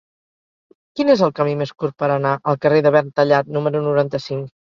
Quin és el camí més curt per anar al carrer de Verntallat número noranta-cinc?